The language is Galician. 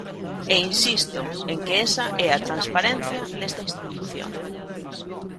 E insisto en que esa é a transparencia desta institución.